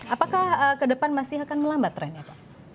apakah ke depan masih akan melambat tren itu